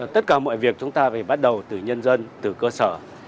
tất cả mọi việc chúng ta phải bắt đầu từ nhân dân từ cơ sở